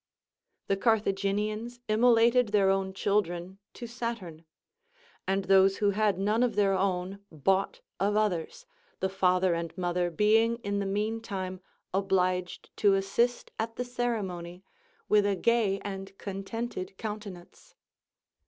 The Carthaginians immolated their own children to Saturn; and those who had none of their own bought of others, the father and mother being in the mean time obliged to assist at the ceremony with a gay and contented countenance.